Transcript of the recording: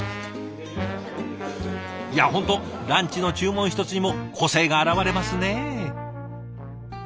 いや本当ランチの注文一つにも個性が表れますね！